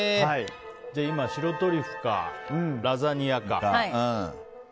じゃあ、今白トリュフかラザニアか。